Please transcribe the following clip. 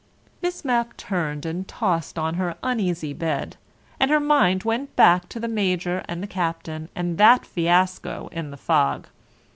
Miss Mapp turned and tossed on her uneasy bed, and her mind went back to the Major and the Captain and that fiasco in the fog.